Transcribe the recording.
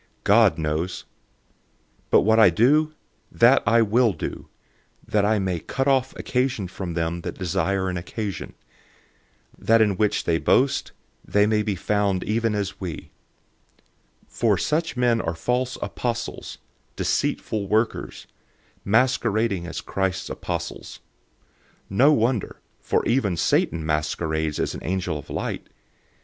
God knows. 011:012 But what I do, that I will do, that I may cut off occasion from them that desire an occasion, that in which they boast, they may be found even as we. 011:013 For such men are false apostles, deceitful workers, masquerading as Christ's apostles. 011:014 And no wonder, for even Satan masquerades as an angel of light.